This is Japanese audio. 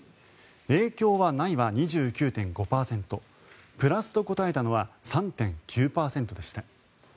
影響はないが２９．５％プラスと答えたのは３．９％でした。